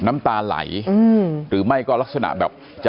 อ่าว